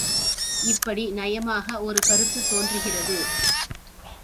இப்படி நயமாக ஒரு கருத்துத் தோன்றுகிறது.